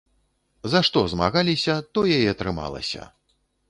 За што змагаліся, тое і атрымалася.